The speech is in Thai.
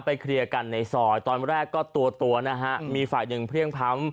เคลียร์กันในซอยตอนแรกก็ตัวตัวนะฮะมีฝ่ายหนึ่งเพลี่ยงพร้ำ